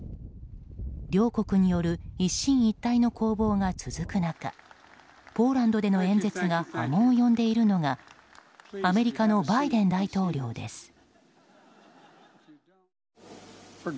両国による一進一退の攻防が続く中ポーランドでの演説が波紋を呼んでいるのがアメリカのバイデン大統領です。